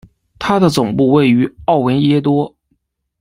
它的总部位于奥维耶多。